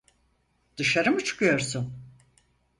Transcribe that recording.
Dışarı mı çıkıyorsun?